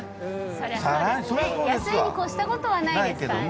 安いに越したことはないですからね。